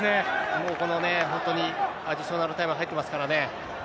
もうこのね、本当にアディショナルタイム入ってますからね。